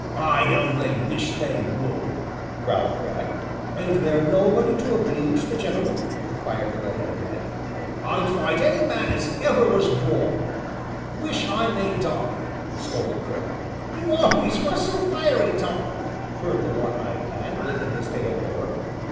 "I only wish they would," growled Cragg. "Ain't there nobody to obleege the gentleman?" inquired the red headed man. "I'd fight any man as ever was born wish I may die!" snorted Cragg. "You always was so fiery, Tom!" purred the one eyed man, blinking his pale orb.